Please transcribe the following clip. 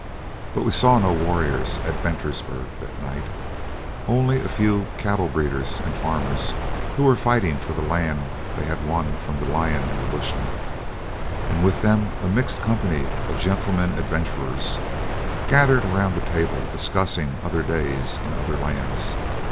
But we saw no warriors at Ventersburg that night, only a few cattle breeders and farmers who were fighting for the land they had won from the lion and the bushman, and with them a mixed company of gentleman adventurers gathered around a table discussing other days in other lands.